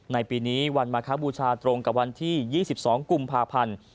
ในปีนี้วันมาคบูชาตรงกับวันที่๒๒กุมภาพันธ์